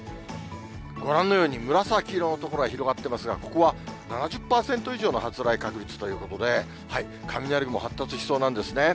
ご覧のように紫色の所が広がってますが、ここは７０％以上の発雷確率ということで、雷雲発達しそうなんですね。